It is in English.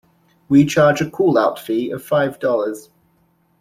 We charge a call out fee of five dollars.